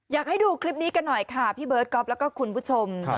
อยากให้ดูคลิปนี้กันหน่อยค่ะพี่เบิร์ตก๊อฟแล้วก็คุณผู้ชม